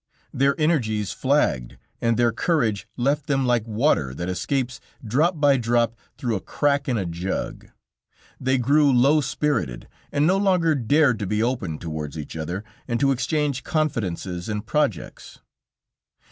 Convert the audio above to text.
Their energies flagged, and their courage left them like water that escapes, drop by drop, through a crack in a jug. They grew low spirited and no longer dared to be open towards each other and to exchange confidences and projects.